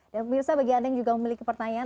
dan pemirsa bagi anda yang juga memiliki pertanyaan